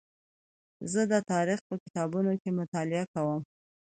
زه د تاریخ په کتابتون کې مطالعه کوم.